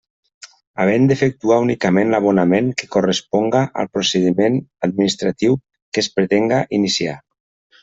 Havent d'efectuar únicament l'abonament que corresponga al procediment administratiu que es pretenga iniciar.